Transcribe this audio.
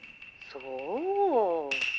そう。